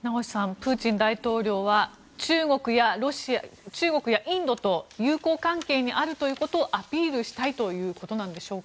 プーチン大統領は中国やインドと友好関係にあるということをアピールしたいということでしょうか。